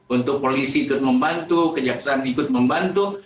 untuk polisi ikut membantu kejaksaan ikut membantu